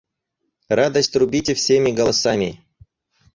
Радость трубите всеми голосами!